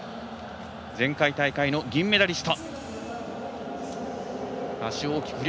前回大会の銀メダリスト。